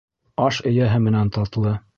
Аш эйәһе менән татлы.